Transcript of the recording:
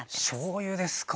しょうゆですか。